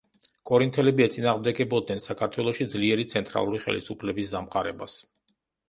კორინთლები ეწინააღმდეგებოდნენ საქართველოში ძლიერი ცენტრალური ხელისუფლების დამყარებას.